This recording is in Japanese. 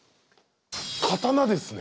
刀ですね？